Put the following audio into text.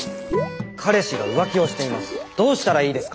「彼氏が浮気をしています。